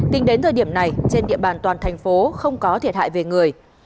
tính đến thời điểm này trên địa bàn toàn thành phố không có thiệt hại về người